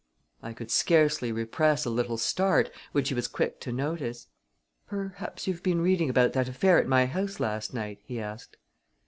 I could scarcely repress a little start, which he was quick to notice. "Perhaps you've been reading about that affair at my house last night?" he asked.